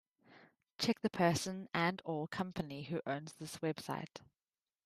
Check the person and/or company who owns this website.